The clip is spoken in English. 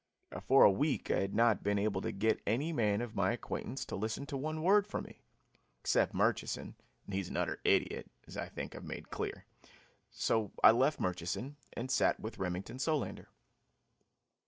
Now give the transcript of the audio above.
For a week I had not been able to get any man of my acquaintance to listen to one word from me, except Murchison, and he is an utter idiot, as I think I have made clear. So I left Murchison and sat with Remington Solander.